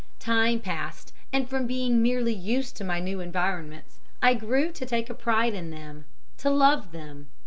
"Time passed, and from being merely used to my new environments, I grew to take a pride in them, to love them.